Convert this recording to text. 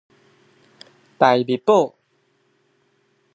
大秘寶